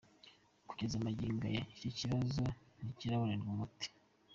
Kugeza magingo aya, iki kibazo ntikirabonerwa umuti.